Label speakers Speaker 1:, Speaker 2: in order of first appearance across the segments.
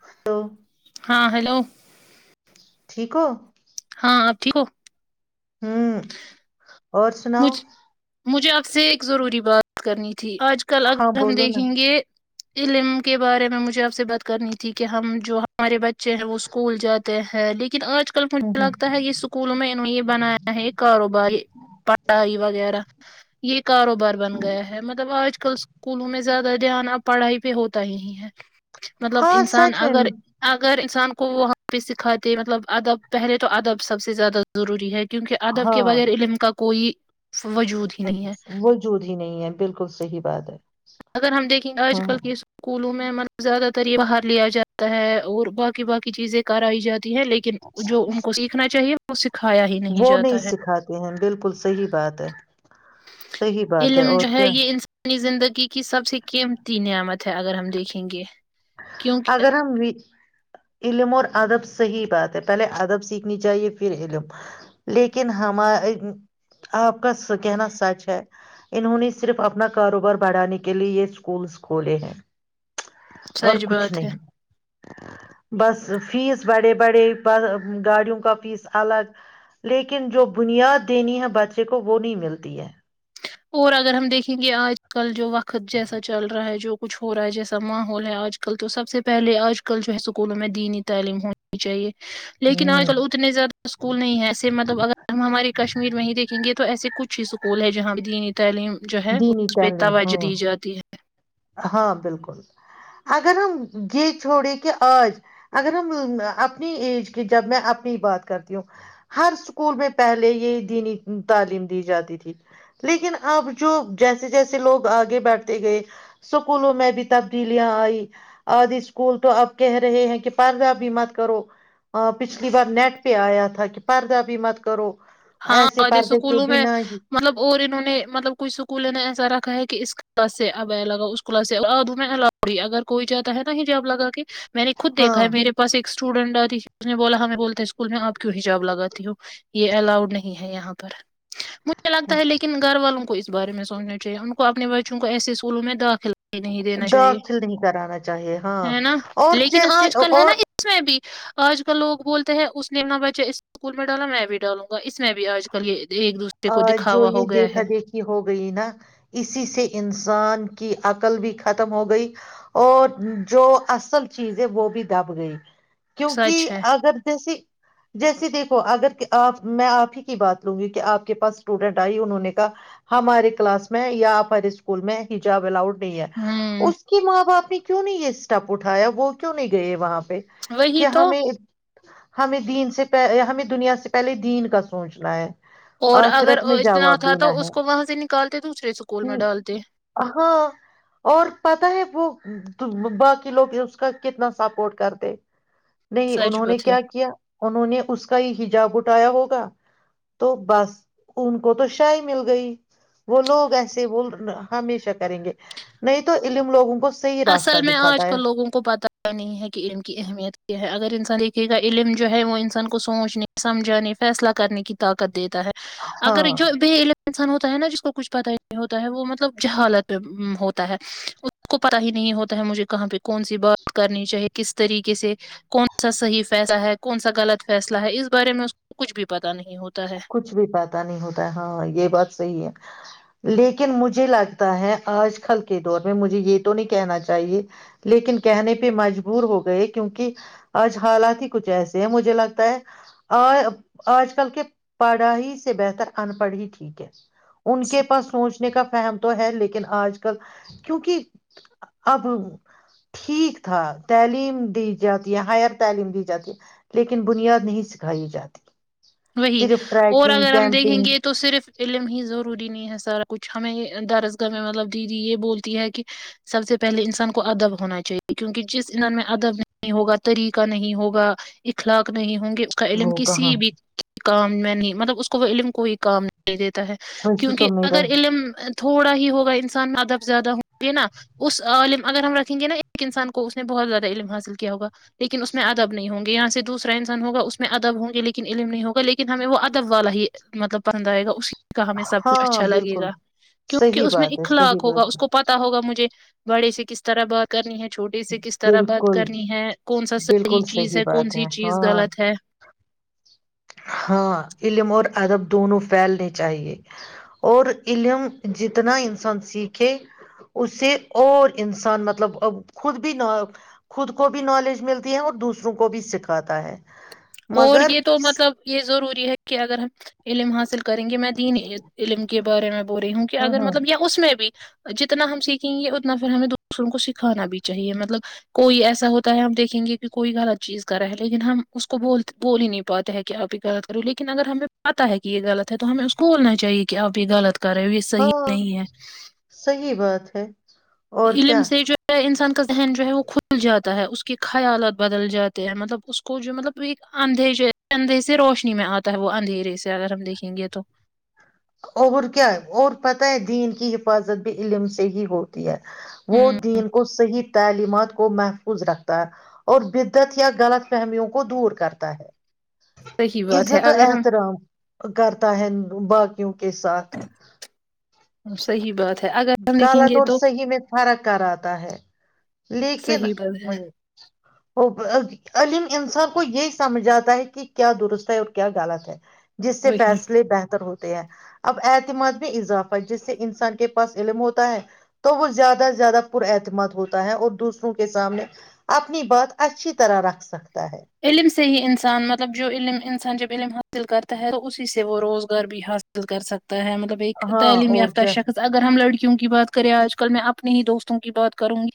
Speaker 1: اچ
Speaker 2: ہاں ہیلو
Speaker 1: ٹھیک ہو
Speaker 2: ہاں آپ ٹھیک ہو
Speaker 1: ہوں اور سناؤ
Speaker 2: مجھ مجھے آپ سے ایک ضروری بات کرنی ت آج کل
Speaker 1: ہاں
Speaker 2: اگر ہم
Speaker 1: بولو نا
Speaker 2: دیکھیں گے علم کے بارے میں مجھے آپ سے ب کرنی تھی کہ ہم جو ہمارے بچے ہیں وہ اسکول جاتے ہیں لن لیکن آج کل
Speaker 1: ہوں
Speaker 2: مجھے
Speaker 1: ہوں
Speaker 2: لگتا ہے یہ اسکولوں میں انہوں نے یہ بنایا ہے یہ کاروبار کائی وغیرہ یہ کاروبار بن گیا ہے مطلب آج آج کل اسکولوں میں زیادہ دھیان اب پڑھائی پہ ہوتا ہی ہے مطلب
Speaker 1: ہاں
Speaker 2: انسان
Speaker 1: سچ میں
Speaker 2: اگر اگر انسان کو وہاں پہ سکھاتے مطلب ادب پہلے تو ادب سب سے زیادہ ضروری ہے کیونک ادب کے
Speaker 1: ہاں
Speaker 2: بغیر علم کا کوئی وجود ہی نہیں ہے
Speaker 1: وجود ہی نہیں ہے بالکل صحیح بات ہے
Speaker 2: اگر ہم دیکھیں آج
Speaker 1: ہاں
Speaker 2: کل کی اسک اسکولوں میںب زیادہ تر یہ باہر لیا جاتا ہے اور باقی باقی چیزیں کرائی جاتی ہیں لیکن جو ان کو سیکھنا چاہیے اس
Speaker 1: وہ نہیں سکھاتے ہیں بالکل صحیح بات ہے صحیح بات ہے اور کیا
Speaker 2: اپنی زندگی کی سب سے قیمتی نعمت ہے اگر ہم دیکھیں گے کیونکہ
Speaker 1: اگر ہم علم اور ادب صحیح بات ہے پہلے ادب سیکھنی چاہیے پھر علم لیکن ہمار آپ کا کہنا سچ ہے انہوں نے صرف اپنا کاروبار بڑھانے کے لیے یہ اسکولس کھولے ہیں اور
Speaker 2: سچ
Speaker 1: کچھ
Speaker 2: بات ہے
Speaker 1: نہیں بس فیس بڑے بڑے گاڑیوں کا فیس الگ لیکن جو بنیاد دینی ہے بچے کو وہ نہیں ملتی ہے
Speaker 2: اور اگر ہم دیکھیں گے آ کل جو وقت خ جیسا چل رہا ہے جو کچھ ہو رہا ہے جیسا ماحول ہے آج کل تو سب سے پہلے آج کل جو ہے اسکولوں میں دینی تعلیم ہونی چاہیے لیکن آج
Speaker 1: ہوں
Speaker 2: کل اتنے زیادہ اسکول نہیں ہے ایسے مطلب اگر ہماری کشمیر میں ہی دیکھیں گے تو ایسے کچھ اسکول ہے جہاں ج [unintelligible] تعلیم جو ہے
Speaker 1: دینی
Speaker 2: اس پہ
Speaker 1: تعلیم
Speaker 2: توجہ
Speaker 1: ہاں
Speaker 2: دی جاتی ہے
Speaker 1: ہاں بالکل اگر ہم یہ چھوڑیں کہ آج اگر ہم اپنی ایج کی جب میں اپنی بات کرتی ہوں ہر اسکول میں پہلے یہ دینی تعلیم دی جاتی تھی لیکن اب جو جیسے جیسے لوگ آگے بیٹھتے گئے اسکولوں میں بھی تبدیلیاں آئی آدھی اسکول تو اب کہہ رہے ہیں کہ پردہ بھی مت کرو پچھلی بار نیٹ پہ آیا تھا کہ پردہ بھی مت کرو
Speaker 2: ہاں
Speaker 1: ایسے
Speaker 2: اور یہ
Speaker 1: پردے کے
Speaker 2: اسکولوں میں
Speaker 1: بنا
Speaker 2: مطلب اور انہوں نے مطلب کچھ اسکول ایسا رکھا ہے کہ اس کلاس سے اب آ لگا اس کلاس سے آب میں الاڑی اگر کوئی جاتا ہے نا یہ ج آب لگا کے میں نے خود
Speaker 1: ہاں
Speaker 2: دیکھا ہے میرے پاس ایک اسٹوڈنٹ آتی اس نے بولا ہمیں بولتا اسکول میں آپ کیوں حجاب لگاتی ہو یہ الاؤڈ نہیں ہے یہاں پر مجھے لگتا ہے لیکن گھر والوں کو بارے میں سوچنااہے ان کو اپنے بچوں کو ایسے اسکولوں میں داخل نہیں دینا چاہیے
Speaker 1: داخل نہیں کرانا چاہیے ہاں
Speaker 2: ہے نا
Speaker 1: اور
Speaker 2: لیکن
Speaker 1: جیسے
Speaker 2: آج کل ہے
Speaker 1: اور
Speaker 2: نا اس میں بھی آج کل لوگ بولتے ہیں اس نم بچہ اسکول میں ڈالا میں بھی ڈالوں اس میں بھی آج کل یہ ایک دوسرے
Speaker 1: آ
Speaker 2: کو
Speaker 1: جو
Speaker 2: دکھاوا
Speaker 1: یہ
Speaker 2: ہو گیا
Speaker 1: دیکھا
Speaker 2: ہے
Speaker 1: دیکھی ہو گئی نا اسی سے انسان کی عقل بھی ختم ہو گئی اور جو اصل چیز ہے وہ بھی دب گئی کیونکہ
Speaker 2: سچ ہے
Speaker 1: اگر جیسے جیسے دیکھو اگر آپ میں آپ ہی کی بات لوں گی کہ آپ کے پاس اسٹوڈنٹ آئی انہوں نے کہا ہمارے کلاس میں یا آپارے اسکول میں ہجاب الاؤڈ ہے
Speaker 2: ہوں
Speaker 1: اس کی ماں باپ کیوں نہیں یہ اسٹپ اٹھایا وہ کیوں نہیں گئے وہاں پہ
Speaker 2: وہی
Speaker 1: کیا
Speaker 2: تو
Speaker 1: ہمیں ہمیں دین سے پ ہمیں دنیا سے پہلے دین کا سوچنا ہے
Speaker 2: اور اگر
Speaker 1: آخرت میں
Speaker 2: اتنا
Speaker 1: جواب
Speaker 2: تھا
Speaker 1: دینا
Speaker 2: تو
Speaker 1: ہے
Speaker 2: اس کو وہاں سے نکالتے دوسرے اسکول میں
Speaker 1: ہ
Speaker 2: ڈالتے
Speaker 1: ہاں اور پت ہے وہ باقی لوگ اس کا کتنا سپورٹ کرتے نہیں
Speaker 2: سچ
Speaker 1: انہوں نے
Speaker 2: بات ہے
Speaker 1: کیا کیا انہوں نے اس کا کا ہجاب اٹایا ہوگا تو بس ان کو تو شی مل گئی وہ لوگ ایسے وہ ہمیشہ کریں گے نہیں تو علم لوگوں کو صحیح
Speaker 2: اصل
Speaker 1: راستہ
Speaker 2: میں آج
Speaker 1: دکھاتا ہے
Speaker 2: کل لوگوں کو پتا نہیں ہے کہ ان کی اہمیت کیا ہے اگر انسان ایک کا علم جو ہے وہ انسان کو سوچنے سمجھانے فیصلہ کرنے کی طاقت دی ہے اگر جو
Speaker 1: ہاں
Speaker 2: ب ع ہو ہے نا جس کو کچھ پتا ہی نہیں ہوتا ہے وہ مطلب جہالت پہ ہوتا ہے اس کو پتا ہی نہیں ہوتا ہے مجھے کہاں پہ کون سی بات کرنی چاہے کس طریقے سے کون سا صحی فیصلہ ہے کون سا غلط فیصلہ ہے اس بارے میں اس کو کچھ بھی پتا
Speaker 1: کچھ بھی پہ نہیں ہوتا ہے ہاں یہ بات صحی ہے لیکن مجھے لگتا ہے آج کل کے دور میں مجھے یہ تو نہیں کہنا چاہیے لیکن کہنے پہ مجبور ہو گئے کیونکہ آج حالات ہی کچھ ایسے ہیں مجھے لگتا ہے آ آج کل کے پڑھا ہی سے بہتر ان پڑھ ہی ٹھیک ہے ان کے پاس سوچ چ کا فہم تو ہے لیکن آج کل کیونکہ اب ٹھیک تھا تعلیم دی جاتی ہے ہائر تعلیم دی جاتی ہے لیکن بنیاد نہیں سکھائی جاتی
Speaker 2: وہی
Speaker 1: صرف
Speaker 2: اور
Speaker 1: ٹریکنگ
Speaker 2: اگر ہم دیکھیں
Speaker 1: کیمپنگ
Speaker 2: گے تو صرف علم ہی ضروری نہیں ہے سارا کچھ ہمیں درسگاہ میں مطلب دیدی یہ بولتی ہے کہ سب سے پہلے انسان کو ادب ہونا چاہیے کیونکہ جس انان میں ادب نہیں ہوگا طریقہ نہیں ہوگا اخلاق نہیں ہ کا علم
Speaker 1: وہ کہاں
Speaker 2: کسی بھی کے کام میں نہیں مطلب اس کو وہ علم کوئی کام نہیں دیتا ہے
Speaker 1: وہی
Speaker 2: کیونکہ
Speaker 1: تو
Speaker 2: اگر
Speaker 1: میرا
Speaker 2: علم تھوڑا ہی ہوگا انسان ادب زیادہ ہوں گے نا اس علم اگر ہم رکھیں گے نا ایک انسان کو اس نے بہت زیادہ علم حاصل کیا ہوگا لیکن اس میں ادب نہیں ہوں گے یہاں سے دوسرا انسان ہوگا اس میں ادب ہوں گے لیکن علم نہیں ہوگا لیکن ہمیں وہ ادب والا ہی مطلب پسند آئے گا اس کا ہمیں سب کچھ
Speaker 1: ہاں
Speaker 2: اچھا لگے
Speaker 1: بالکل
Speaker 2: گا کیونکہ
Speaker 1: صحیح
Speaker 2: اس میں
Speaker 1: بات ہے صحیح
Speaker 2: اخلاق ہوگا
Speaker 1: بات
Speaker 2: اس کو پتتا ہوگا مجھے بڑے سے قس کس طرح بات کرنی ہے چھوٹے سے کس
Speaker 1: ہے
Speaker 2: طرح بات
Speaker 1: بالکل
Speaker 2: کرنی ہے کون سا صحیح
Speaker 1: بالکل
Speaker 2: چیز ہے کون
Speaker 1: بات
Speaker 2: سی چیز
Speaker 1: ہاں
Speaker 2: غلط ہے
Speaker 1: ہاں علم اور ادب دونوں پھیلنے چاہیے اور علم جتنا انسان سیکھے اسے اور انسان مطلب خود بھی ن خود کو بھی نالج ملتی ہے اور دوسروں کو بھی سکھاتا ہے
Speaker 2: اور
Speaker 1: مگر
Speaker 2: یہ تو مطلب یہ ضروری ہے کہ اگر ہم علم حاصل کریں گے میں دینی علم کے بارے میں بول رہی ہوں کہ
Speaker 1: ہاں
Speaker 2: اگر مطلب یا اس میں بھی جتنا ہم سیکھ سیں گے اتنا پھر ہمیں دوسروں کو سیک کانا بھی چاہیے مطلب کوئی ایسا ہوتا ہے ہم دیکھیں گے کہ کوئی غلط چیز کرا ہے لیکن ہم اس کو بول بول ہی نہیں پاتے ہے کہ آپ یہ غلط کرو لیکن اگر ہمیں پتہ ہے کہ یہ غلط ہے تو ہمیں اس کو بولنا چاہیے کہ آپ یہ غلط کر رہے ہو یہ صحیح
Speaker 1: ہاں
Speaker 2: نہیں ہے
Speaker 1: صی بات ہے اور
Speaker 2: علم
Speaker 1: کیا
Speaker 2: سے جو ہے انسان کا ذہن جو ہے وہ کھل جاتا ہے اس کے خیالت بدل جاتے ہیں مطلب اس کھ مطلب ایک آدھیے چ اندھے سے روشنی میں آتا ہے وہ اندھیرے سے اگر ہم دیکھیں گے تو
Speaker 1: اور کیا اور پتہ ہے دین کی حفاظت بھی علم سے ہی ہوتی ہے وہ
Speaker 2: ہوں
Speaker 1: دین کو صحیح تعلیمات کو محفوظ رکھتا ہے اور بدت یا غلط فہمیوں کو دور کرتا
Speaker 2: صحیح
Speaker 1: ہے
Speaker 2: بات ہے
Speaker 1: عزت و
Speaker 2: اگر
Speaker 1: احترام کرتا ہے باقی
Speaker 2: صحی بات ہے اگر ہم دیکھیں
Speaker 1: غلط
Speaker 2: گے
Speaker 1: اور
Speaker 2: تو
Speaker 1: صحیح میں فرق کر آتا ہے لیکن
Speaker 2: صحیح بات ہے
Speaker 1: وہ عم انسان کو یہی سمجھ آتا ہے کہ کیا درست ہے اور کیا غلط ہے جس سے
Speaker 2: وہی
Speaker 1: فیصلے بہتر ہوتے ہیں اب اعتماد میں اضافہ جس سے انسان کے پاس علم ہوتا ہے تو وہ زیادہ سے زیادہ پر اعتماد ہوتا ہے اور دوسروں کے سامنے اپنی بات اچھی طرح رکھ سکتا ہے
Speaker 2: علم سے ہی انسان مطلب جو علم انسان جب علم حاصل کرتا ہے تو اسی سے وہ روزگار بھی حاصل کر سکتا ہے مطلب ایک
Speaker 1: ہاں
Speaker 2: تعلیم
Speaker 1: اور
Speaker 2: یافتہ
Speaker 1: کیا
Speaker 2: شخص اگر ہم لڑکی کیوں کی بات کرے آج کل میں اپنے ہی دوستوں کی بات کروں گی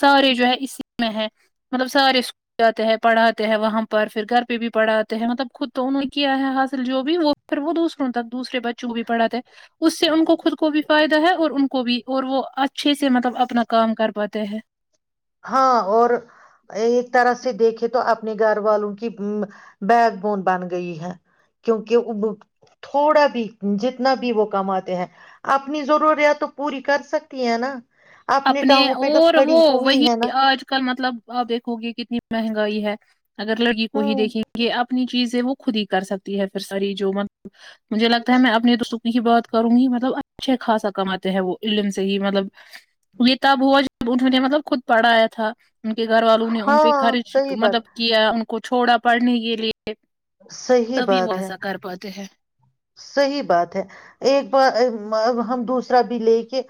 Speaker 2: سارے جو ہے اسی میں ہے مطلب سارے اسکول جاتے ہیں پڑھاتے ہیں وہاں پر پھر گھر پہ بھی پڑھا آتے ہیں مطلب خود تو انہوں نے کیا ہے حاصل جو بھی وہ پھر وہ دوسروں تک دوسرے بچے جو بھی پڑا تھا اس سے ان کو خود کو بھی فائدا ہے اور ان کو بھی اور وہ اچھے سے مطلب اپنا کام کر پاتے ہیں
Speaker 1: ہاں اور ایک طرح سے دیکھے تو اپنے گھر والوں کی بیک بون بن گئی ہے کیونکہ تھوڑا بھی جتنا بھی وہ کماتے ہیں اپنی ضروریات تو پوری کر سکتی ہیں نا
Speaker 2: اپنے
Speaker 1: ٹانگوں پہ تو
Speaker 2: اور
Speaker 1: کھڑی
Speaker 2: وہ
Speaker 1: ہوئی
Speaker 2: وہی
Speaker 1: ہے نا
Speaker 2: آج کل مطلب آپ دیکھو گے کتنی مہنگائی ہے اگر لڑکی کو ہی
Speaker 1: ہوں
Speaker 2: دیکھیں گے یہ اپنی چیز وہ خود ہی کر سکتی ہے پھر سری جو م مجھے لگتا ہے میں ا اپنی تو سکنی کی بہت کروں گی مطلب اچھے خاصا کماتے ہیں وہ علم سے ہی مطلب یہ تب ہوا جب انہوں نے مطلب خود پڑھایا تھا ان کے گھر والوں نے ان پہ
Speaker 1: ہاں
Speaker 2: خرچ
Speaker 1: صحیح
Speaker 2: مطلب
Speaker 1: بات
Speaker 2: کیا کو چھوڑا پڑھنے کے لیے تبھی وہ ایسا کر پاتے ہیں
Speaker 1: صحی بات ہے ایک بار ہم دوسرا بھی لے کے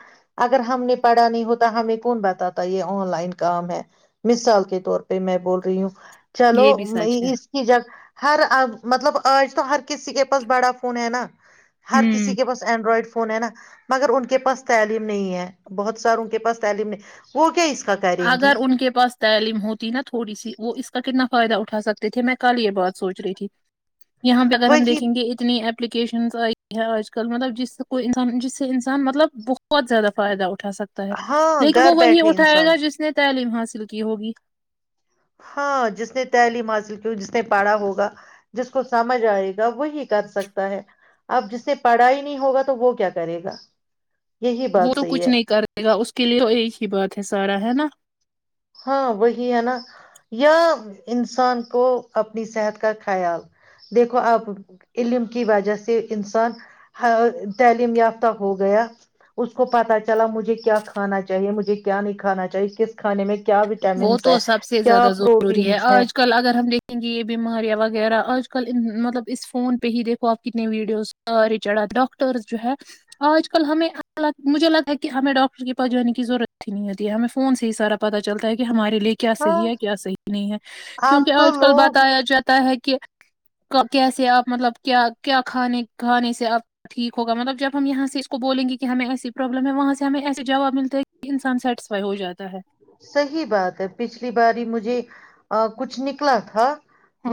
Speaker 1: اگر ہم نے پڑھا نہیں ہوتا ہمیں کون بتاتا یہ آن لائن کام ہے مثال کے طور پہ میں بول رہی ہوں چلو
Speaker 2: یہ بھی سچ ہے
Speaker 1: اس کی جگ ہر مطلب آج تو ہر کسی کے پاس بڑا پنین ہر کسی
Speaker 2: ہوں
Speaker 1: کے پاس اینڈرائڈ فون ہے نا مگر ان کے پاس تعلیم نہیں ہے بہت سارا ان کے پاس تعلیم نہیں وہ کیا اس کا کریں
Speaker 2: اگر
Speaker 1: گی
Speaker 2: ان کے پاس تعلیم ہوتی نا تھوڑی سی وہ اس کا کتنا فائدہ اٹھا سکتے تھے میں کل یہ بات سوچ رہی تھی یہاں پہ اگر ہم
Speaker 1: وہی
Speaker 2: دیکھیں گے اتنی اپلیکیشنس آئی ہیں آج کل مطلب جس سے کوئی انسان جس سے انسان مطلب بہت زیادہ فائدہ اٹھا اٹھا سکتا ہے
Speaker 1: ہاں
Speaker 2: لیکن
Speaker 1: گھر
Speaker 2: وہی
Speaker 1: بیٹھے
Speaker 2: اٹھائے
Speaker 1: انسان
Speaker 2: گا تعلیم حاصل کی ہوگی
Speaker 1: ہاں جس نے تعلیم حاصل کی ہو جس نے پڑھا ہوگا جس کو سمجھ آئے گا وہی کر سکتا ہے اب جس نے پڑھا ہی نہیں ہوگا تو وہ کیا کرے گا یہی
Speaker 2: وہ
Speaker 1: بات
Speaker 2: تو
Speaker 1: صحیح
Speaker 2: کچھ
Speaker 1: ہے
Speaker 2: نہیں کرے گا اس کے لیے ایک ہی بات ہے سارا ہے نا
Speaker 1: ہاں وہی ہے نا یا انسان کو اپنی صحت کا خیال دیکھو اب علم کی وجہ سے انسان تعلیم یافتہ ہو گیا اس کو پتا چلا مجھے کیا کھانا چاہیے مجھے کیا نہیں کھانا چاہیے کس کھانے میں کیا
Speaker 2: وہ
Speaker 1: وٹامنس ہے
Speaker 2: تو سب سے
Speaker 1: کیا
Speaker 2: زیادہ ضروری ہے
Speaker 1: پروٹینس
Speaker 2: آج کل اگر ہم دیکھیں گے یہ بیماریاں وغیرہ آج کل مطلب اس فون پہ ہی دیکھو آپ کتنے ویڈیوز سارے چڑھا ڈاکٹرز جو ہے آج کل ہمیں مجھے لگتا ہے کہ ہمیں ڈاکٹر کے پاس جانے کی ضرورت ہی نہیں ہوتی ہے ہمیں فون سے ہی سارا پتا چلتا ہے کہ ہماری لیے کیا
Speaker 1: ہاں
Speaker 2: صحی ہے کیا صح نہیں ہے کیونکہ
Speaker 1: آپ تو
Speaker 2: آج کل
Speaker 1: لوگ
Speaker 2: بتایا جاتا ہے کہ کہ کیسے آپ مطلب کیا کیا کھانے کھانے سے آپ ٹھیک ہوگا مطلب جب ہم یہاں سے اس کو بولیں گے کہ ہمیں ایسی پرابلم ہے وہاں سے ہمیں ایسے جواب ملتا ہے کہ انسان سیٹسفائی ہو جاتا ہے
Speaker 1: صحیح بات ہے پچھلی باری مجھے کچھ نکلا تھا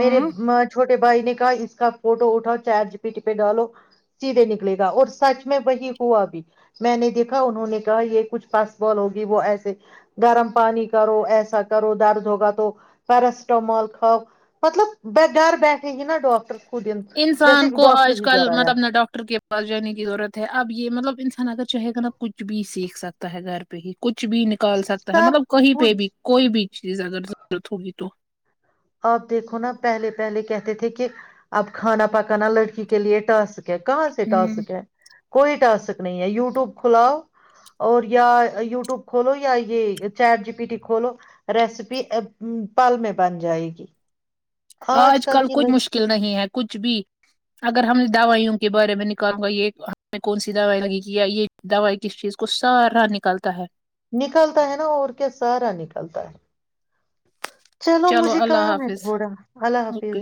Speaker 1: میرے ما چھوٹے چھوٹے بھائی نے کہا اس کا فوٹو اٹھاؤ چار جی پیٹ پہ ڈالو سیدھے نکلے گا اور سچ میں وہی ہوا بھی میں نے دیکھا انہوں نے کہا یہ کچھ پاس بال ہوگی وہ ایسے گرم پانی کرو ایسا کرو درد ہوگا تو پیرسٹامال کھاؤ مطلب گھر بیٹھے ہی نا ڈاکٹر خود ان- جیسے
Speaker 2: انسان
Speaker 1: کہ
Speaker 2: کو
Speaker 1: ڈاکٹر
Speaker 2: آج
Speaker 1: ہی
Speaker 2: کل
Speaker 1: گھر آیا
Speaker 2: مطلب نہ ڈاکٹر کے پاس جانے کی ضرورت ہے اب یہ مطلب انسان نا اگر چاہے گا نا کچھ بھی سیکھ سکتا ہے گھر پہ ہی کچھ بھی نکال سکتا ہے
Speaker 1: سب
Speaker 2: مطلب کہیں پہ
Speaker 1: کچھ
Speaker 2: بھی کوئی بھی چیز اگر ضرورت ہوگی تو
Speaker 1: آپ دیکھو نا پہلے پہلے کہتے تھے کہ اب کھانا پکانا لڑکی کے لیے ٹاسک ہے کہاں سے
Speaker 2: ہوں
Speaker 1: ٹاسک ہے کوئی ٹاسک نہیں ہے یوٹیوب کھولا اور یا یوٹیوب کھولو یا یہ چیٹ جی پی ٹی کھولو ریسیپی پل میں بن جائے گی جی
Speaker 2: آج کل کچھ مشکل نہیں ہے کچھ بھی اگر ہم دوائیوں کے بارے میں نکالوں گا یہ ہمیں کون سی دوائی لگی گ یا یہ دوائی کس چیز کو سارا نکالتا ہے
Speaker 1: نکلتا ہے نا اور کیا سارا نکلتا ہے چلو مجھے
Speaker 2: اللہ
Speaker 1: کام ہے
Speaker 2: حافظ
Speaker 1: تھوڑا اللہ
Speaker 2: اوکے
Speaker 1: حافظ